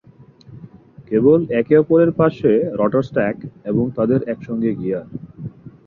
কেবল একে অপরের পাশে রটার স্ট্যাক এবং তাদের একসঙ্গে গিয়ার।